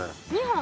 ２本。